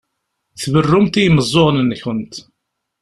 Tberrumt i yimeẓẓuɣen-nkent.